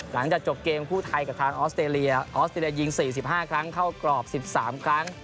หลังจากจบเกมคู่ไทยกับทางออสเตรเลียออสเตรเลียยิง๔๕ครั้งเข้ากรอบ๑๓ครั้ง